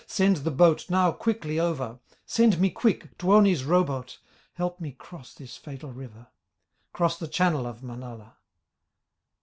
Send the boat now quickly over, Send me, quick, Tuoni's row boat, Help me cross this fatal river, Cross the channel of Manala."